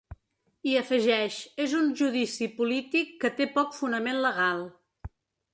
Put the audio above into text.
I afegeix: És un judici polític que té poc fonament legal.